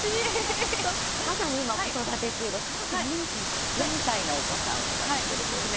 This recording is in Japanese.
まさに今、子育て中で小学校２年生と４歳のお子さんを育ててるということで。